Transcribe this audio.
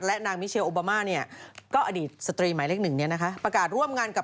และนางมิเชียลโอบามาเนี่ยก็อดีตสตรีหมายเลขหนึ่งเนี่ยนะคะ